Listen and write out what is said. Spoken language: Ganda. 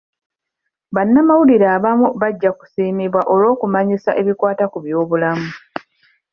Bannamawulire abamu bajja kusiimibwa olw'okumanyisa ebikwata ku by'obulamu.